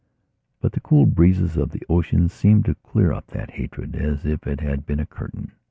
But the cool breezes of the ocean seemed to clear up that hatred as if it had been a curtain.